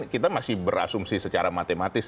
kita masih berasumsi secara matematis